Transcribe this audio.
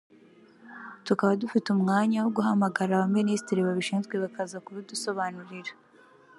tukaba dufite umwanya wo guhamagara Abaminisitiri babishinzwe bakaza kubidusobanurira